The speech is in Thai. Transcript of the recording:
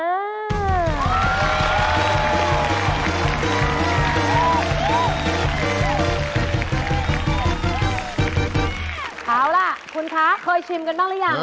เอาล่ะคุณคะเคยชิมกันบ้างหรือยัง